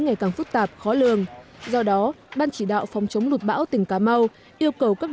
ngày càng phức tạp khó lường do đó ban chỉ đạo phòng chống lụt bão tỉnh cà mau yêu cầu các